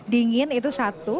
dingin itu satu